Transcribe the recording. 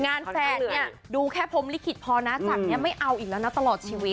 แฟนเนี่ยดูแค่พรมลิขิตพอนะจากนี้ไม่เอาอีกแล้วนะตลอดชีวิต